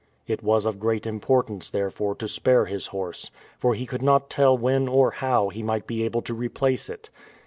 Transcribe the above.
It was of great importance, therefore, to spare his horse, for he could not tell when or how he might be able to replace it.